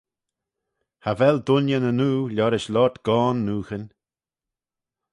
Cha vel dooinney ny noo liorish loayrt goan nooghyn.